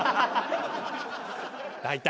大体。